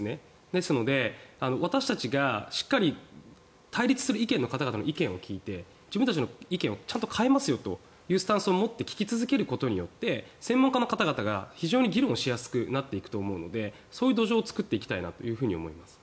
ですので、私たちがしっかり対立する方々の意見を聞いて自分たちの意見をちゃんと変えますよというスタンスを持って聞き続けることによって専門家の方々が非常に議論しやすくなっていくと思うのでそういう土壌を作っていきたいと思います。